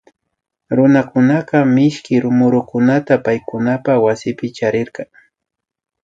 Runakunaka mishki murukunata paykunapak waspi charirka